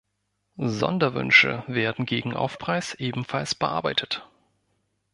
Sonderwünsche werden gegen Aufpreis ebenfalls bearbeitet.